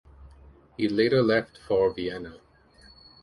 He later left for Vienna.